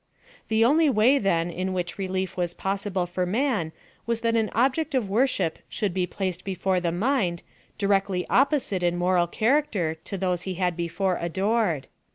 The only way, then, in which relief was possi ble for man was that an object of worshio should PLAN OF SALVATION. 49 be placed before the mind directly opposite in moral character to those he had before adored.